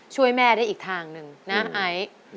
ช่วยแม่ได้อีกทางหนึ่งนะไอซ์